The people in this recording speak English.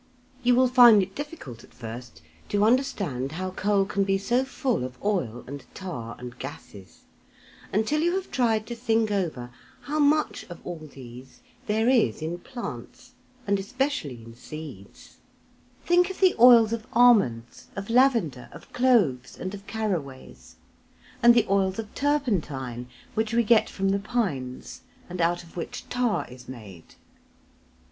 You will find it difficult at first to understand how coal can be so full of oil and tar and gases, until you have tried to think over how much of all these there is in plants, and especially in seeds think of the oils of almonds, of lavender, of cloves, and of caraways; and the oils of turpentine which we get from the pines, and out of which tar is made.